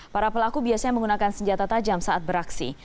para pelaku biasanya menggunakan senjata tajam saat beraksi